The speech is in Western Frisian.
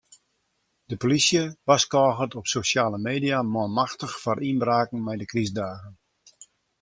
De polysje warskôget op sosjale media manmachtich foar ynbraken mei de krystdagen.